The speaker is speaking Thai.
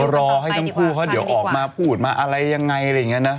รอให้ทั้งคู่เขาเดี๋ยวออกมาพูดมาอะไรยังไงอะไรอย่างนี้นะ